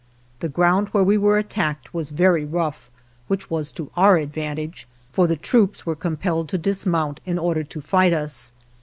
The ground where we were attacked was very rough, which was to our advantage, for the troops were compelled to dismount in order to fight us.